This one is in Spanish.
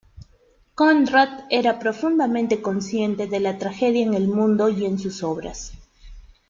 Conrad era profundamente consciente de la tragedia en el mundo y en sus obras.